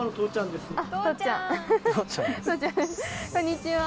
こんにちは。